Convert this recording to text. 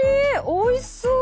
おいしそう！